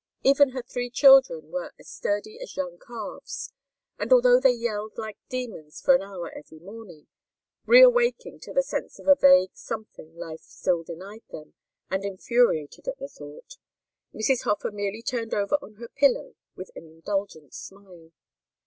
Even her three children were as sturdy as young calves, and although they yelled like demons for an hour every morning reawaking to the sense of a vague something life still denied them, and infuriated at the thought Mrs. Hofer merely turned over on her pillow with an indulgent smile.